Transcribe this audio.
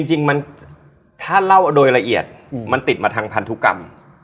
จริงถ้าเล่าโดยละเอียดมันติดมาทางพันธุกรรม